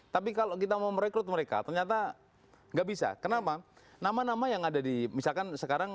tapi kalau kita mau merekrut mereka ternyata nggak bisa kenapa nama nama yang ada di misalkan sekarang